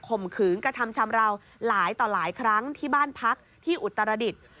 มขืนกระทำชำราวหลายต่อหลายครั้งที่บ้านพักที่อุตรดิษฐ์